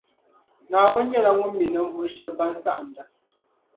Naawuni nyɛla Ŋun mi ninvuɣu shεba ban saɣinda.